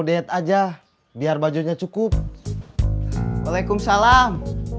diet aja biar bajunya cukup waalaikumsalam